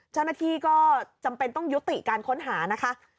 เจ้าหน้าที่ก็จำเป็นต้องยุติการค้นหานะคะ